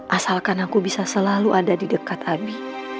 asalkan aku bisa selalu ada di dekat abi